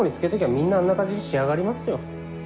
みんなあんな感じに仕上がりますよ